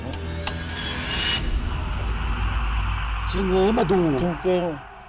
ใช่เธอไหมมาดูจริง